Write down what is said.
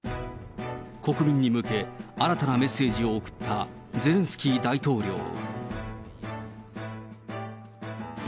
国民に向け、新たなメッセージを送ったゼレンスキー大統領。